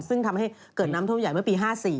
ซึ่งทำให้เกิดน้ำท่วมใหญ่เมื่อปี๕๔